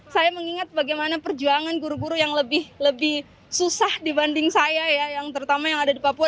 saya mengingat bagaimana perjuangan guru guru yang lebih susah dibanding saya ya yang terutama yang ada di papua